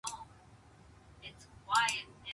かなり大きいタケノコを食べないでよん